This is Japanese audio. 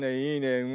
いいね。